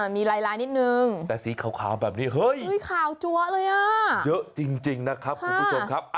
มีลายนิดนึงแต่สีขาวแบบนี้เฮ้ยขาวจั๊วเลยอ่ะเยอะจริงนะครับคุณผู้ชมครับ